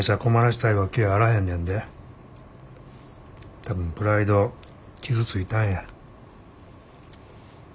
多分プライド傷ついたんや。